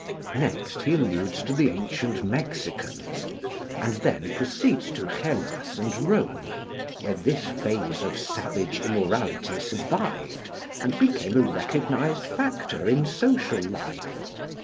Next he alludes to the ancient Mexicans; and then proceeds to Hellas and Rome, where this phase of savage immorality survived and became a recognised factor in social life (p.